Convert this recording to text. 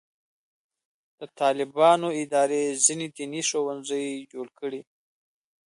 د طالبانو ادارې ځینې دیني ښوونځي جوړ کړي.